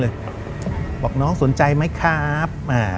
เราก็บอกว่าน้องสนใจไหมครับ